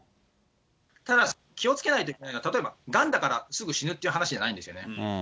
ただ、気をつけないといけないのが、例えばがんだから、すぐ死ぬって話じゃないんですよね。